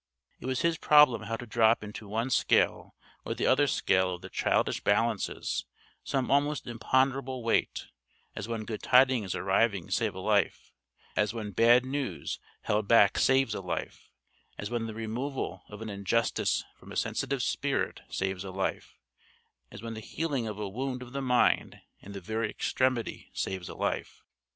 It was his problem how to drop into one scale or the other scale of the childish balances some almost imponderable weight, as when good tidings arriving save a life, as when bad news held back saves a life; as when the removal of an injustice from a sensitive spirit saves a life; as when the healing of a wound of the mind in the very extremity saves a life.